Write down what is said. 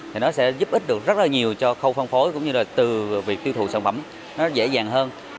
thì nó sẽ giúp ích được rất là nhiều cho khâu phân phối cũng như là từ việc tiêu thụ sản phẩm nó dễ dàng hơn